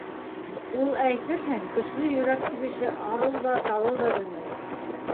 Ул, әйтерһең, көслө йөрәк тибеше, арыу ҙа, талыу ҙа белмәй.